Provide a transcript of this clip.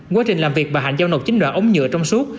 quá trình làm việc bà hạnh giao nộp chín loại ống nhựa trong suốt